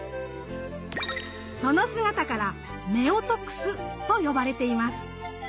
その姿から「夫婦楠」と呼ばれています。